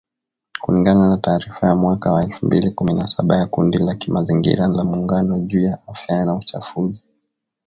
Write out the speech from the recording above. Kulingana na taarifa ya mwaka wa elfu mbili kumi na saba ya kundi la kimazingira la Muungano juu ya Afya na Uchafuzi.